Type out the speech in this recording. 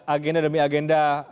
agenda demi agenda